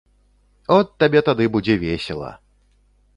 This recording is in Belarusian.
От табе тады будзе весела!